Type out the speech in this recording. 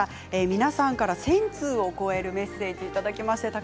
皆さんから１０００通を超えるメッセージをいただきました。